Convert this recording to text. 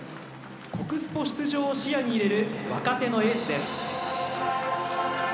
国スポ出場を視野に入れる若手のエースです。